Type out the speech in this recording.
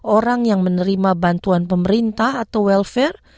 orang yang menerima bantuan pemerintah atau welfare